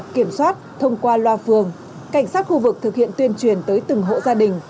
kiểm soát thông qua loa phường cảnh sát khu vực thực hiện tuyên truyền tới từng hộ gia đình